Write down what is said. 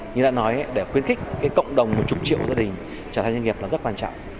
như đã nói để khuyến khích cái cộng đồng một chục triệu gia đình trở thành doanh nghiệp là rất quan trọng